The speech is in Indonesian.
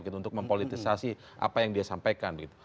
apa yang dia sampaikan